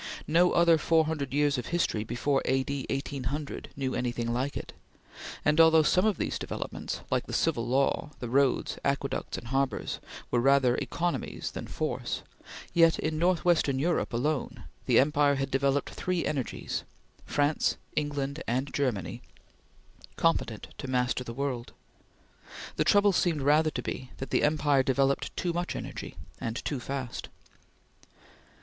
No other four hundred years of history before A.D. 1800 knew anything like it; and although some of these developments, like the Civil Law, the roads, aqueducts, and harbors, were rather economies than force, yet in northwestern Europe alone the empire had developed three energies France, England, and Germany competent to master the world. The trouble seemed rather to be that the empire developed too much energy, and too fast.